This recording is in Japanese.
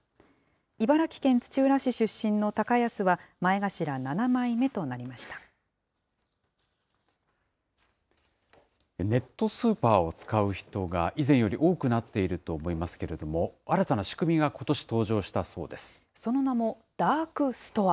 茨城県土浦市出身の高安は、前頭ネットスーパーを使う人が、以前より多くなっていると思いますが、新たな仕組みがことし、登その名もダークストア。